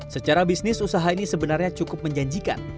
secara bisnis usaha ini sebenarnya cukup menjanjikan